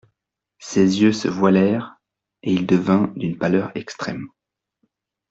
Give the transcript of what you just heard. Ses yeux se voilèrent et il devint d'une pâleur extrême.